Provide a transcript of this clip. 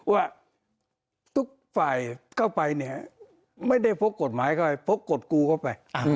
ว่าทุกฝ่ายเข้าไปเนี่ยไม่ได้พกกฎหมายเข้าไปพกกฎกูเข้าไป